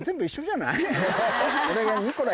俺が。